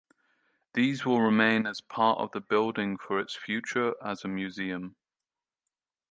These will remain as part of the building for its future as a museum.